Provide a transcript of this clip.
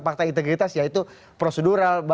pakta integritas yaitu prosedural